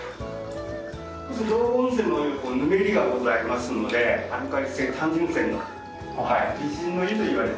道後温泉のお湯はヌメリがございますのでアルカリ性単純泉の美人の湯といわれて。